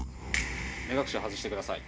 目隠しを外して下さい。